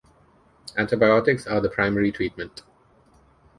Antibiotics are the primary treatment.